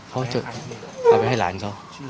เอาไปให้ลานเขา